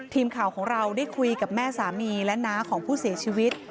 ทีมข่าวของเราได้คุยกับแม่สามีและน้าของผู้เสียชีวิต